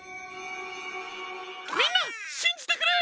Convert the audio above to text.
みんなしんじてくれ！